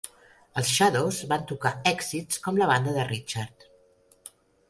Els Shadows van tocar èxits com la banda de Richard.